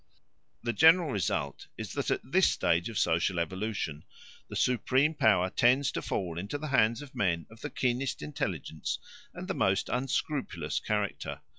The general result is that at this stage of social evolution the supreme power tends to fall into the hands of men of the keenest intelligence and the most unscrupulous character.